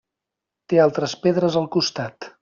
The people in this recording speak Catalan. Té altres pedres al costat.